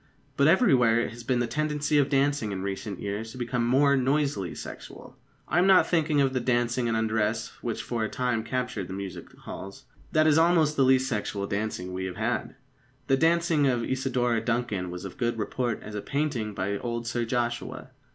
But everywhere it has been the tendency of dancing in recent years to become more noisily sexual. I am not thinking of the dancing in undress which for a time captured the music halls. That is almost the least sexual dancing we have had. The dancing of Isidora Duncan was of as good report as a painting by old Sir Joshua.